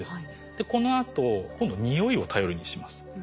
でこのあと今度匂いを頼りにします。